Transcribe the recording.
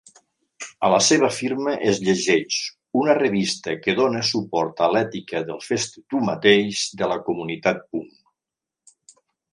A la seva firma es llegeix "Una revista que dona suport a l'ètica del "fes-t'ho tu mateix" de la comunitat punk".